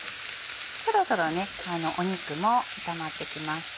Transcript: そろそろ肉も炒まってきました。